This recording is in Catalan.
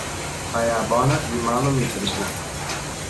Hi ha bona i mala literatura.